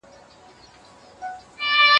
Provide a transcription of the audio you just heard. مرگ مشر او کشر ته نه گوري.